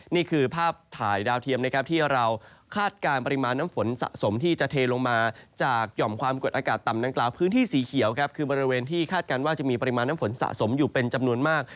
นี่คือภาพถ่ายดาวเทียมนะครับที่เราคาดการณ์ปริมาณน้ำฝนสะสมที่จะเทลงมาจากหย่อมความกดอากาศต่ำดังกล่าวพื้นที่สีเขียวครับคือบริเวณที่คาดการณ์ว่าจะมีปริมาณน้ำฝนสะสมอยู่เป็นจำนวนมาก